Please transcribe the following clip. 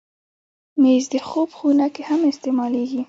مېز د خوب خونه کې هم استعمالېږي.